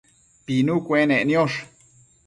pinu cuenec niosh